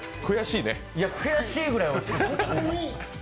いや、悔しいぐらいおいしい。